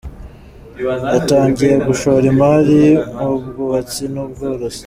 Yatangiye gushora imari mu bwubatsi n’ubworozi.